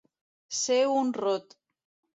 Ser un rot.